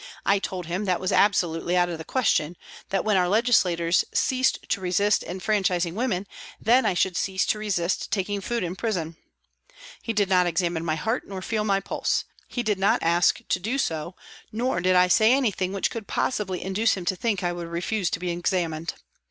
I told him that was absolutely out of the question, that when our legislators ceased to resist enfranchising women then I should cease to resist taking food in prison. He did not examine my heart nor feel my pulse ; he did not ask to do so, nor did I say anything which could possibly induce him to think I would refuse to be examined.